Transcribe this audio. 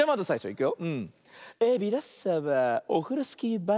いくよ。